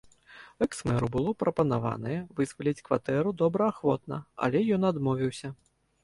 Экс-мэру было прапанаванае вызваліць кватэру добраахвотна, але ён адмовіўся.